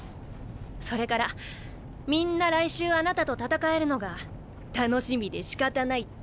それからみんな来週あなたと戦えるのが楽しみでしかたないって。